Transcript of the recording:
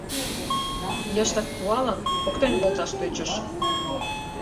Йыштак пуалын, поктен колташ тӧчыш.